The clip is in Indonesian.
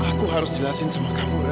aku harus jelasin sama kamu